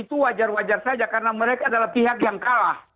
itu wajar wajar saja karena mereka adalah pihak yang kalah